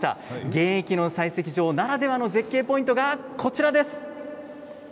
現役の採石場ならではの絶景ポイントです。